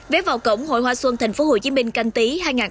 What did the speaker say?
vé vào cổng hội hoa xuân tp hcm canh tí hai nghìn hai mươi